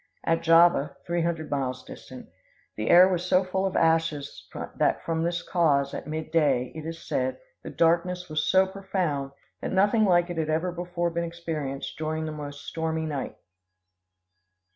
At Java, three hundred miles distant, the air was so full of ashes that from this cause, at mid day, it is said, the darkness was so profound that nothing like it had ever before been experienced during the most stormy night.